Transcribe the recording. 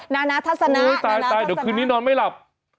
นานาทัศนะนานาทัศนะโอ้ยตายเดี๋ยวคืนนี้นอนไม่หลับ